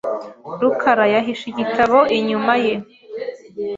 rukara yahishe igitabo inyuma ye .